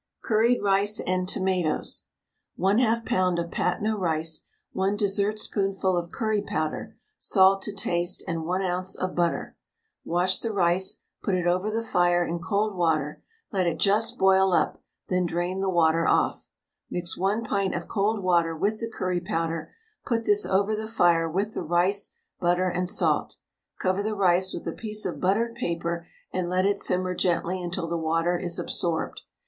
CURRIED RICE AND TOMATOES. 1/2 lb. of Patna rice, 1 dessertspoonful of curry powder, salt to taste, and 1 oz. of butter. Wash the rice, put it over the fire in cold water, let it just boil up, then drain the water off. Mix 1 pint of cold water with the curry powder, put this over the fire with the rice, butter, and salt. Cover the rice with a piece of buttered paper and let it simmer gently until the water is absorbed.